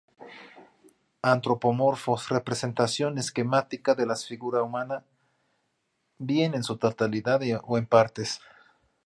Antropomorfos: representación esquemática de las figura humana, bien en su totalidad o en partes.